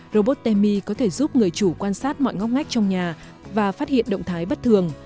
robot temi có thể giúp người chủ quan sát mọi ngóc ngách trong nhà và phát hiện động thái bất thường